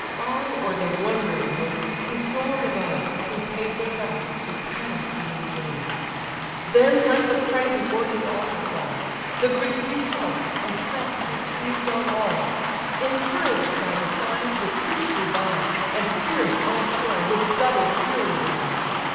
High o'er the wondering hosts he soar'd above, Who paid their vows to Panomphaean Jove; Then let the prey before his altar fall; The Greeks beheld, and transport seized on all: Encouraged by the sign, the troops revive, And fierce on Troy with doubled fury drive.